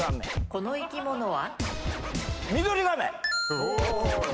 この生き物は？